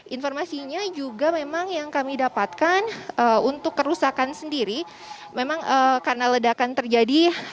informasinya juga memang yang kami dapatkan untuk kerusakan sendiri memang karena ledakan terjadi